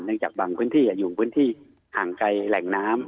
จากบางพื้นที่อยู่พื้นที่ห่างไกลแหล่งน้ำ